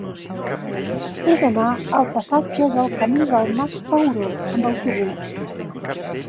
He d'anar al passatge del Camí del Mas Sauró amb autobús.